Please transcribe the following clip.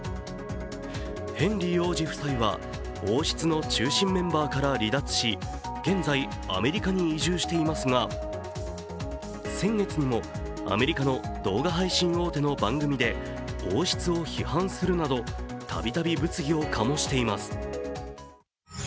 ヘンリー王子夫妻は、王室の中心メンバーから離脱し、現在アメリカに移住していますが、先月にもアメリカの動画配信大手の番組で王室を批判するなどたびたび物議を醸しています。